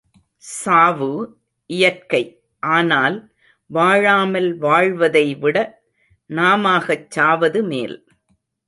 சாவு, இயற்கை ஆனால் வாழாமல் வாழ்வதைவிடச் நாமாக சாவது மேல்.